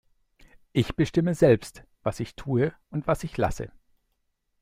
Ich bestimme selbst, was ich tue und was ich lasse.